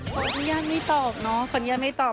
คนย่านไม่ตอบคนย่านไม่ตอบ